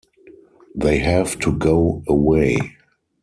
They have to go away.